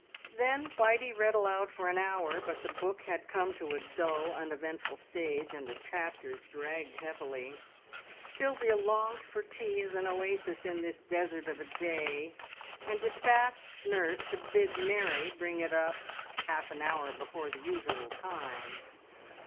Then Whitey read aloud for an hour, but the book had come to a dull, uneventful stage, and the chapters dragged heavily. Sylvia longed for tea as an oasis in this desert of a day, and despatched nurse to bid Mary bring it up half an hour before the usual time.